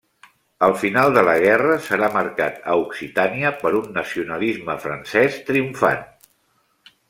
El final de la guerra serà marcat a Occitània per un nacionalisme francès triomfant.